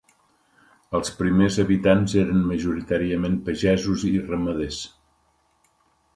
Els primers habitants eren majoritàriament pagesos i ramaders.